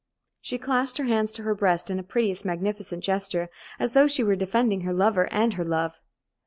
She clasped her hands to her breast in a piteous, magnificent gesture, as though she were defending her lover and her love.